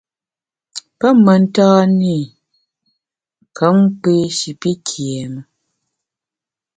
Pe mentan-i kom kpi shi pi kiém-e.